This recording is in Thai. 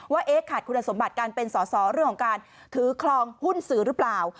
ว่าขาดคุณสมบัติการเป็นสอสอเรื่องของการถือคลองหุ้นสื่อหรือเปล่า